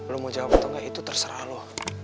lo mau jawab atau engga itu terserah lo